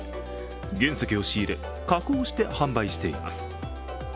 原石を仕入れ、加工して販売しています。